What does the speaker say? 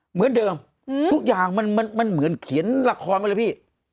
เหมือนเดิมทุกอย่างมันเหมือนเขียนละครมาเลยพี่